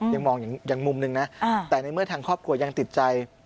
ยังมองอย่างมุมหนึ่งนะแต่ในเมื่อทางครอบครัวยังติดใจ